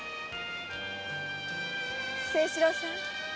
清四郎さん